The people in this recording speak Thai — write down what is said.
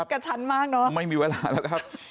กระชั้นมากเนอะไม่มีเวลาแล้วครับ